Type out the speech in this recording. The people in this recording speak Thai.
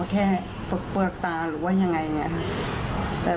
คือคุณมีหน้าที่